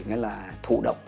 nghĩa là thụ động